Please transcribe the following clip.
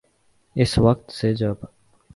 اس وقت سے جب